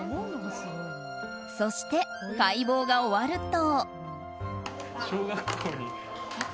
そして、解剖が終わると。